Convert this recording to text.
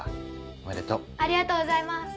ありがとうございます。